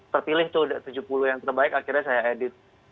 pertilis itu sudah tujuh puluh yang terbaik akhirnya saya edit